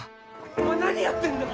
お前何やってんだよ？